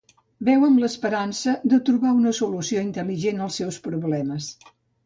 Beu amb l'esperança de trobar una solució intel·ligent als seus problemes.